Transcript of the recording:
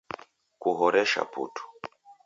Kuhoresha putu!